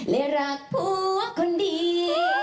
เลยรักผู้คนดี